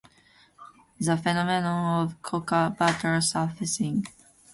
The phenomenon of cocoa butter surfacing.